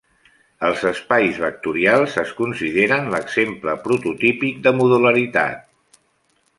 Els espais vectorials es consideren l'exemple prototípic de modularitat.